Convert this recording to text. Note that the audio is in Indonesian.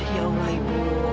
ya allah ibu